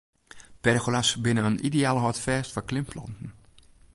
Pergola's binne in ideaal hâldfêst foar klimplanten.